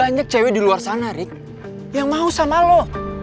banyak cewek di luar sana rick yang mau sama lo